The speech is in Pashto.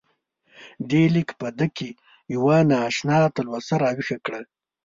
دې لیک په ده کې یوه نا اشنا تلوسه راویښه کړه.